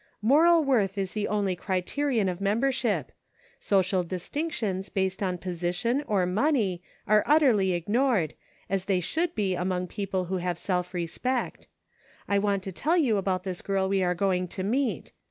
Moral worth is the only criterion of membership ; social distinctions based on position, or money, are utterly ignored, as they should be among people who have self respect. I want to tell you about this girl we are going to meet.